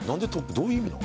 どういう意味なん？